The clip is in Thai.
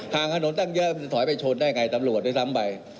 งถนนตั้งเยอะมันจะถอยไปชนได้ไงตำรวจด้วยซ้ำไป